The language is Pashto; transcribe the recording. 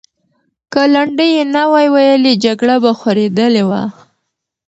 که لنډۍ یې نه وای ویلې، جګړه به خورېدلې وه.